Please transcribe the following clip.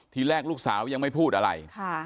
ทีแรกลูกสาวยังไม่พูดอะไร